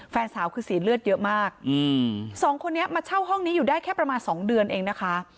แฟนสาวคือเสียเลือดเยอะมากสองคนนี้มาเช่าห้องนี้อยู่ได้แค่ประมาณสองเดือนเองนะคะ